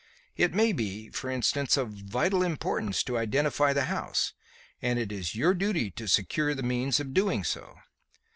It may be, for instance, of vital importance to identify the house, and it is your duty to secure the means of doing so."